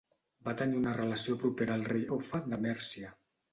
Va tenir una relació propera al rei Offa de Mèrcia.